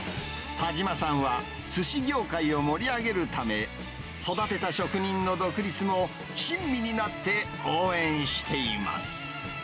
田島さんは、すし業界を盛り上げるため、育てた職人の独立も、親身になって応援しています。